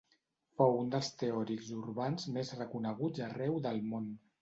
Fou un dels teòrics urbans més reconeguts arreu del món.